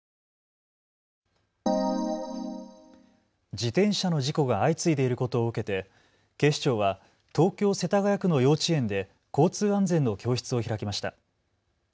自転車の事故が相次いでいることを受けて警視庁は東京世田谷区の幼稚園で交通安全の教室を開きました。